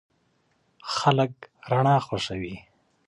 خلک رڼا خوښوي.